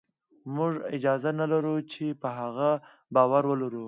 موږ اجازه نه لرو چې په هغه باور ولرو